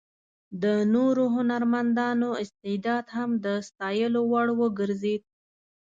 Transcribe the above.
د نورو هنرمندانو استعداد هم د ستایلو وړ وګرځېد.